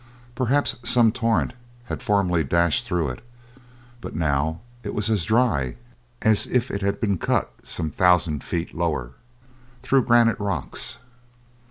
Perhaps some torrent had formerly dashed through it; but now it was as dry as if it had been cut some thousand feet lower, through granite rocks.